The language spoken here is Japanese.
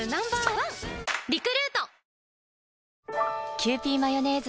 キユーピーマヨネーズ